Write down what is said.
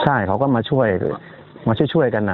ใช่เขาก็มาช่วยกัน